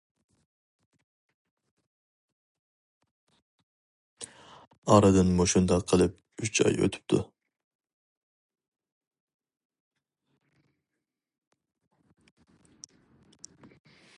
ئارىدىن مۇشۇنداق قىلىپ ئۈچ ئاي ئۆتۈپتۇ.